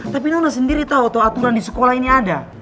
tapi nona sendiri tau tuh aturan di sekolah ini ada